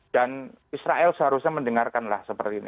dan israel seharusnya mendengarkanlah seperti ini